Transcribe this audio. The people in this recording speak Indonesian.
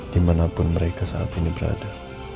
dimanapun mereka saat ini berada